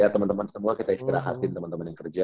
teman teman semua kita istirahatin teman teman yang kerja